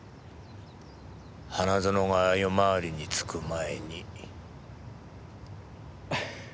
花園が夜回りに就く前に。